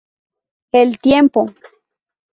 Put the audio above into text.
El Tiempo.